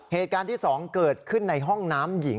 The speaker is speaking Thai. เหตุการณ์ที่๒เกิดขึ้นในห้องน้ำหญิง